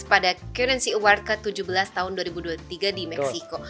pada currency award ke tujuh belas tahun dua ribu dua puluh tiga di meksiko